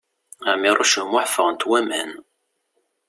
Ɛmiṛuc U Muḥ ffɣent waman.